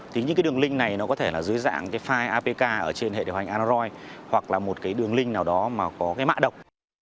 thì những cái đường link này nó có thể là dưới dạng cái file apk ở trên hệ điều hành anaroid hoặc là một cái đường link nào đó mà có cái mạ độc